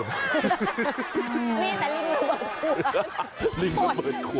นี่แต่ลิงระเบิดขวด